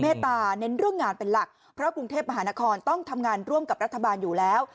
ตาเน้นเรื่องงานเป็นหลักเพราะกรุงเทพมหานครต้องทำงานร่วมกับรัฐบาลอยู่แล้ว